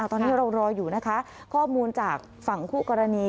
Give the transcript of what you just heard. ตอนนี้เรารออยู่นะคะข้อมูลจากฝั่งคู่กรณี